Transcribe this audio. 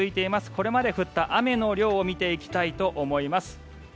これまで降った雨の量を見ていきたいと思います。